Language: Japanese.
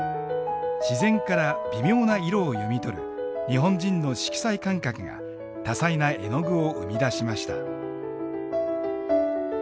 自然から微妙な色を読み取る日本人の色彩感覚が多彩な絵の具を生み出しました。